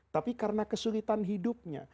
tapi karena kesulitan hidupnya